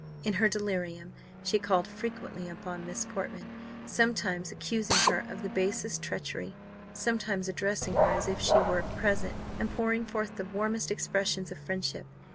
In her delirium she called frequently upon Miss Portman; sometimes accusing her of the basest treachery, sometimes addressing her as if she were present, and pouring forth the warmest expressions of friendship.